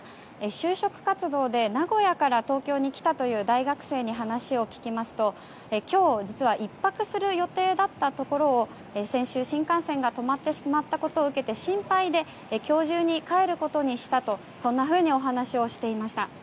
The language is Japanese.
就職活動で名古屋から東京に来たという大学生に話を聞きますと、今日実は１泊する予定だったところを先週、新幹線が止まってしまったことを受けて心配で今日中に帰ることにしたとそんなふうにお話をしていました。